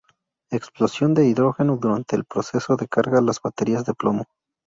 Explosión de hidrógeno durante el proceso de carga las baterías de plomo.